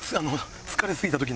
疲れすぎた時の。